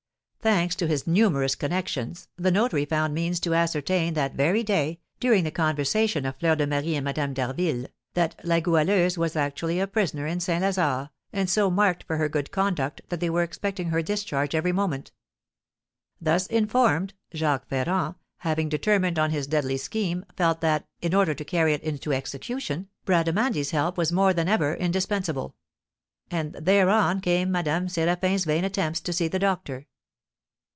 Thanks to his numerous connections, the notary found means to ascertain that very day (during the conversation of Fleur de Marie and Madame d'Harville) that La Goualeuse was actually a prisoner in St. Lazare, and so marked for her good conduct that they were expecting her discharge every moment. Thus informed, Jacques Ferrand, having determined on his deadly scheme, felt that, in order to carry it into execution, Bradamanti's help was more than ever indispensable; and thereon came Madame Séraphin's vain attempts to see the doctor.